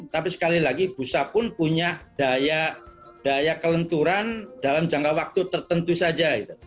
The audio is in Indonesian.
tapi sekali lagi pusat pun punya daya kelenturan dalam jangka waktu tertentu saja